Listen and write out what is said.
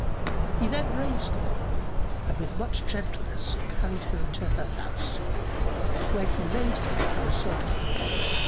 He then raised the woman and with much gentleness carried her into her house, where he laid her upon a sofa.